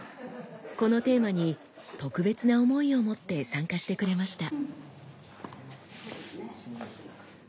このテーマに特別な思いを持って参加してくれました。